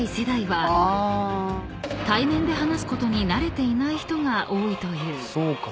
［対面で話すことに慣れていない人が多いという］